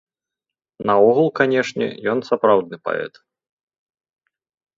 Наогул, канечне, ён сапраўдны паэт.